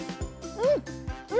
うん。